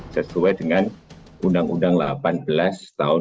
sesuai dengan undang undang delapan belas tahun dua ribu